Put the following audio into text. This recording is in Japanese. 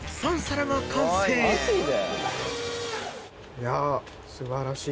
いや素晴らしい。